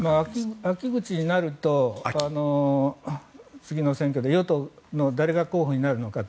秋口になると次の選挙で与党の誰が候補になるのかと。